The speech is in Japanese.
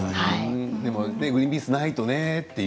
でもグリンピースはないとね。